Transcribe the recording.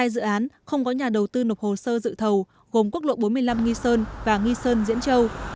một mươi dự án không có nhà đầu tư nộp hồ sơ dự thầu gồm quốc lộ bốn mươi năm nghi sơn và nghi sơn diễn châu